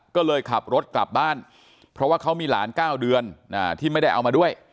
ก็เลยขับรถกลับบ้านเพราะว่าเขามีหลาน๙เดือนที่ไม่ได้เอามาด้วย